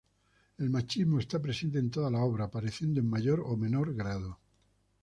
El machismo está presente en toda la obra, apareciendo en mayor o menor grado.